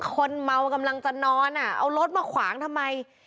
คนเมากำลังจะนอนเอารถมาขวางทำไม